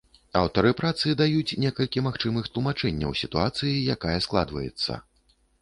Аўтары працы даюць некалькі магчымых тлумачэнняў сітуацыі, якая складваецца.